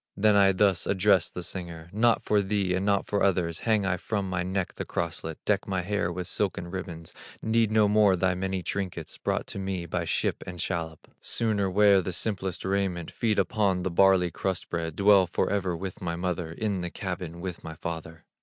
Then I thus addressed the singer: 'Not for thee and not for others, Hang I from my neck the crosslet, Deck my hair with silken ribbons; Need no more the many trinkets, Brought to me by ship and shallop; Sooner wear the simplest raiment, Feed upon the barley bread crust, Dwell forever with my mother In the cabin with my father.